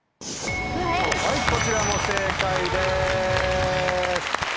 はいこちらも正解です。